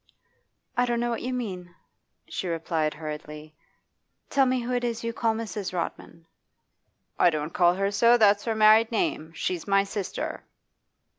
'I don't know what you mean,' she replied hurriedly. 'Tell me who it is you call Mrs. Rodman.' 'I don't call her so. That's her married name. She's my sister.